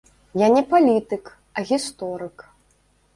Я не палітык, а гісторык.